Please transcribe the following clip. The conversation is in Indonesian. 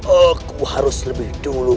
aku harus lebih dulu